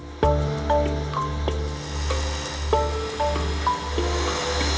mudah lainlah untuk batu sai